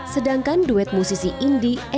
sedangkan duet musisi indie